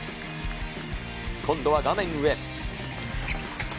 今度は画面上。